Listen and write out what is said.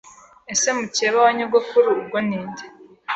Ese mukeba wo nyogokuru ubwo ni inde?